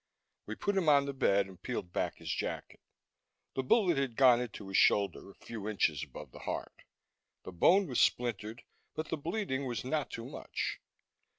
We put him on the bed and peeled back his jacket. The bullet had gone into his shoulder, a few inches above the heart. The bone was splintered, but the bleeding was not too much.